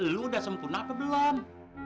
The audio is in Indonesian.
lu udah sempurna apa belum